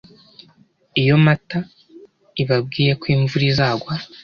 iyo mata ibabwiye ko imvura izagwa